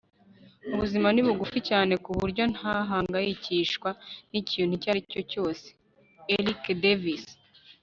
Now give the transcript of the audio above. ubuzima ni bugufi cyane ku buryo ntahangayikishwa n'ikintu icyo ari cyo cyose. - eric davis